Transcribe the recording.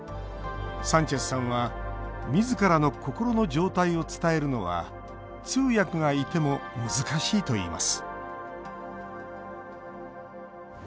サンチェスさんはみずからの心の状態を伝えるのは通訳がいても難しいといいます